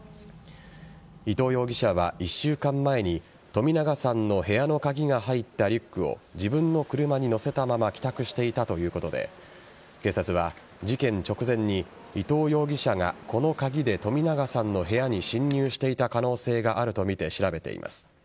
伊藤容疑者は１週間前に冨永さんの部屋の鍵が入ったリュックを自分の車に乗せたまま帰宅していたということで警察は事件直前に伊藤容疑者がこの鍵で冨永さんの部屋に侵入していた可能性があるとみて調べています。